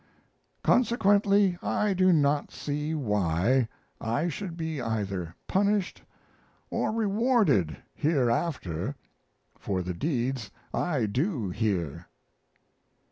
Consequently I do not see why I should be either punished or rewarded hereafter for the deeds I do here.